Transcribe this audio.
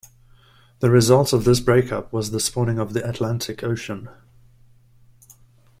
The result of this break-up was the spawning of the Atlantic Ocean.